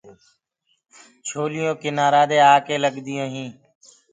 لهرينٚ ڪنآرآ دي آڪي لگديونٚ هينٚ۔